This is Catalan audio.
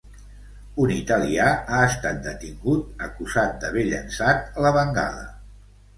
Un italià ha estat detingut, acusat d’haver llançat la bengala.